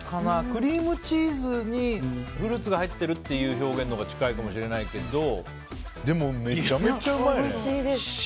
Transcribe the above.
クリームチーズにフルーツが入ってるという表現のほうが近いかもしれないけどでも、めちゃめちゃうまいね。